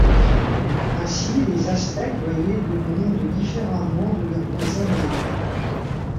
Ainsi les Aztèques voyaient le monde différemment de leurs voisins Mayas.